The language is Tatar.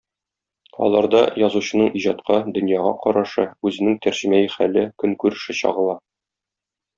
Аларда язучының иҗатка, дөньяга карашы, үзенең тәрҗемәи хәле, көнкүреше чагыла.